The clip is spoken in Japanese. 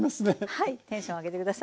はいテンション上げて下さい。